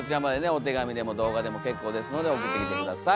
お手紙でも動画でも結構ですので送ってきて下さい。